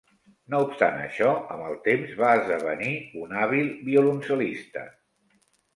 No obstant això, amb el temps va esdevenir un hàbil violoncel·lista.